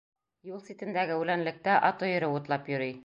Юл ситендәге үләнлектә ат өйөрө утлап йөрөй.